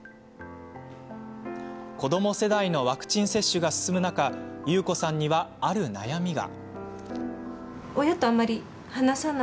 子ども世代のワクチン接種が進む中、ゆうこさんにはある悩みが。